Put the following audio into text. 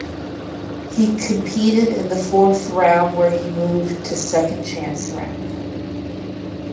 He competed in the fourth round where he moved to "second chance" round.